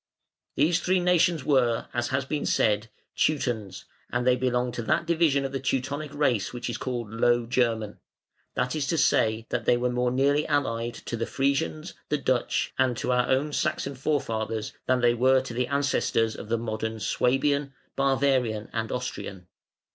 These three nations were, as has been said, Teutons, and they belonged to that division of the Teutonic race which is called Low German, man; that is to say, that they were more nearly allied to the Frisians, the Dutch, and to our own Saxon forefathers than they were to the ancestors of the modern Swabian, Bavarian, and Austrian.